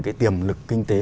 cái tiềm lực kinh tế